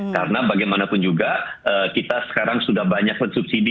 karena bagaimanapun juga kita sekarang sudah banyak subsidi